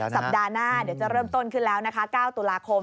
สัปดาห์หน้าเดี๋ยวจะเริ่มต้นขึ้นแล้วนะคะ๙ตุลาคม